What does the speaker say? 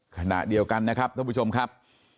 ขณะเดียวกันนะครับท่านผู้ชมครับ